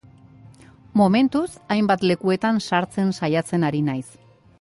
Momentuz, hainbat lekuetan sartzen saiatzen ari naiz.